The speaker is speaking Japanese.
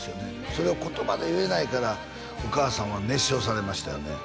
それを言葉で言えないからお母さんは熱唱されましたよね